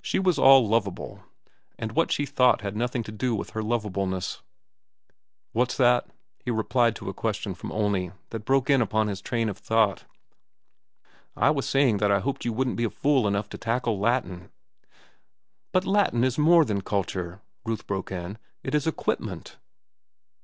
She was all lovable, and what she thought had nothing to do with her lovableness. "What's that?" he replied to a question from Olney that broke in upon his train of thought. "I was saying that I hoped you wouldn't be fool enough to tackle Latin." "But Latin is more than culture," Ruth broke in. "It is equipment."